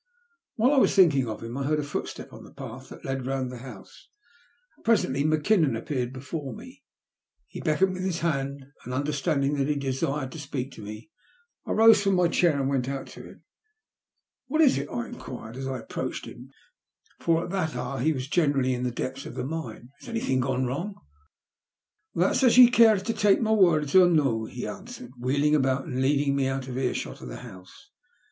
While I was thinking of him, I heard a footstep on the path that led round the house, and presently Mackinnon appeared before me. He beckoned with his hand, and understanding that he desired to speak to me, I rose from my chair and went out to him. " What is it ?" I enquired, as I approached him, for at that hour he was generally in the depths of the mine. " Has anything gone wrong." That's as ye care to take my words or no," he answered, wheeling about and leading mo out of ear shot of the house.